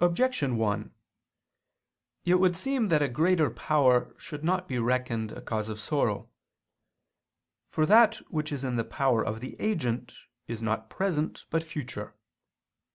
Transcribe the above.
Objection 1: It would seem that a greater power should not be reckoned a cause of sorrow. For that which is in the power of the agent is not present but future.